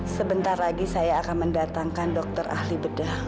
sebentar lagi saya akan mendatangkan dokter ahli bedah